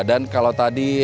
dan kalau tadi